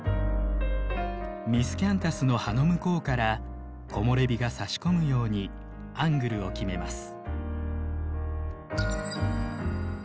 ミスキャンタスの葉の向こうから木漏れ日がさし込むようにアングルを決めます。